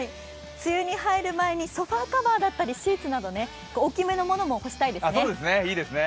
梅雨に入る前にソファーカバーだったりシーツなど大きめのものも干したいですね。